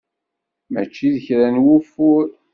Mačči d kra n wufur.